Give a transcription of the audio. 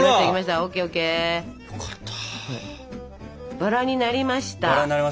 バラになりました。